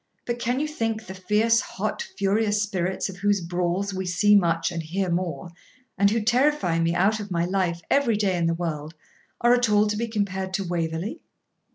But can you think the fierce, hot, furious spirits of whose brawls we see much and hear more, and who terrify me out of my life every day in the world, are at all to be compared to Waverley?'